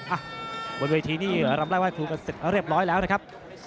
อ่ะบนเวทีนี่รำร่ายวาดคลุมก็เสร็จแล้วเรียบร้อยแล้วนะครับ